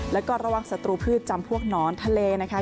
แล้วก็ระวังศัตรูพืชจำพวกหนอนทะเลนะคะ